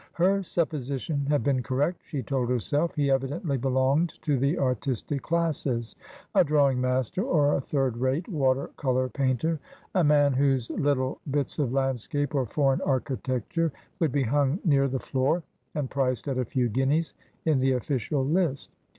Her supposition had been correct, she told herself. He evidently belonged to the artistic classes — a drawing master, or a third rate water colour painter — a man whose little bits of landscape or foreign architecture would be hung near the floor, and priced at a few guineas in the official list.